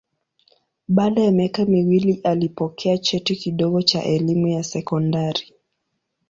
Baada ya miaka miwili alipokea cheti kidogo cha elimu ya sekondari.